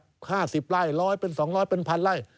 ๕๐ไร่ร้อยเป็น๒๐๐เป็น๑๐๐๐ไร่